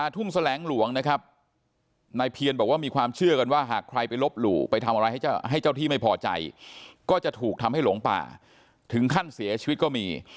ทำให้หลงป่าถึงขั้นเสียชีวิตก็มี